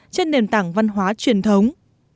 trên nền tảng văn hóa truyền thống